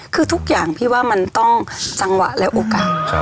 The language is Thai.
คือทุกอย่างพี่ว่ามันต้องจังหวะและโอกาส